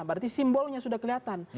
berarti simbolnya sudah kelihatan